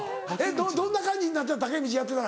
どんな感じになってた？